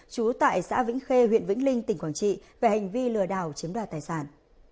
trú tại xã vĩnh khê huyện vĩnh linh tỉnh quảng trị về hành vi lừa đảo chiếm đoạt tài sản